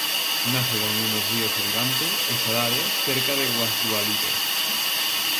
Nace da unión dos ríos Uribante e Sarare cerca de Guasdualito.